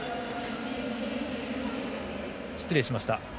失礼しました。